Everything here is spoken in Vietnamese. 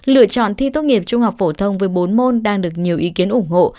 lựa chọn thi tốt nghiệp trung học phổ thông với bốn môn đang được nhiều ý kiến ủng hộ